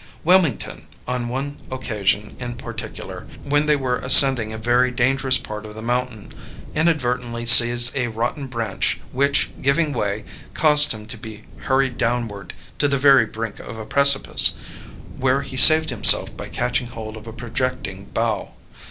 Wilmington, on one occasion in particular, when they were ascending a very dangerous part of the mountain, inadvertently seized a rotten branch, which, giving way, caused him to be hurried downward to the very brink of a precipice, where he saved himself by catching hold of a projecting bough.